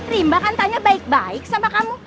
rimba kan tanya baik baik sama kamu